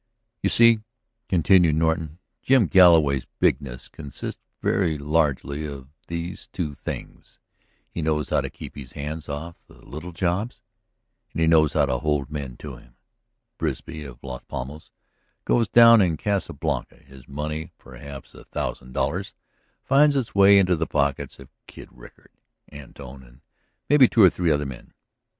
"You see," continued Norton, "Jim Galloway's bigness consists very largely of these two things: he knows how to keep his hands off of the little jobs, and he knows how to hold men to him. Bisbee, of Las Palmas, goes down in the Casa Blanca; his money, perhaps a thousand dollars, finds its way into the pockets of Kid Rickard, Antone, and maybe another two or three men.